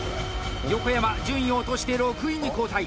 横山、順位を落として６位に後退。